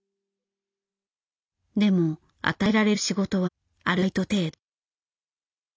でも与えられる仕事はアルバイト程度。